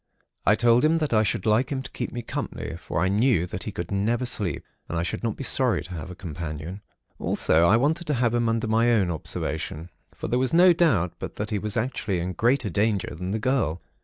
I told him that I should like him to keep me company, for I knew that he could never sleep, and I should not be sorry to have a companion. Also, I wanted to have him under my own observation; for there was no doubt but that he was actually in greater danger than the girl.